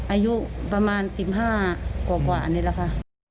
อายุประมาณ๑๕กว่าอันนี้ละค่ะ